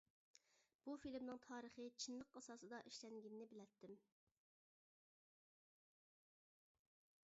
بۇ فىلىمنىڭ تارىخى چىنلىق ئاساسىدا ئىشلەنگىنىنى بىلەتتىم.